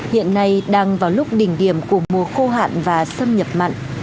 hiện nay đang vào lúc đỉnh điểm của mùa khô hạn và xâm nhập mặn